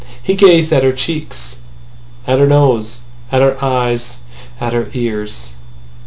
He gazed at her cheeks, at her nose, at her eyes, at her ears.